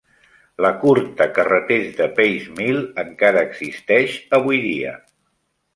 La curta carreters de Paces Mill encara existeix avui dia.